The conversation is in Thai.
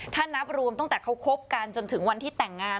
ถ้านับรวมตั้งแต่เขาคบกันจนถึงวันที่แต่งงาน